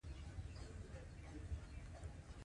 کورس د مطالعې مینه پیدا کوي.